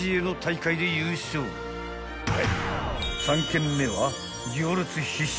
［３軒目は］